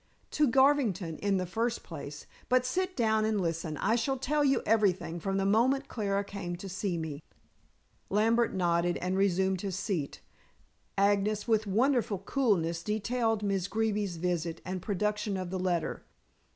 "To Garvington in the first place. But sit down and listen. I shall tell you everything, from the moment Clara came to see me." Lambert nodded and resumed his seat. Agnes, with wonderful coolness, detailed Miss Greeby's visit and production of the letter.